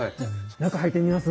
中入ってみます？